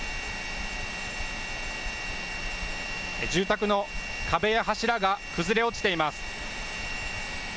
住宅の壁や柱が崩れ落ちています。